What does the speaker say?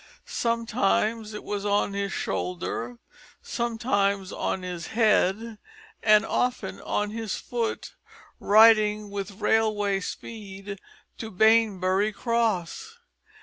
Sometimes it was on his shoulder, sometimes on his head and often on his foot, riding with railway speed to "Banbury Cross."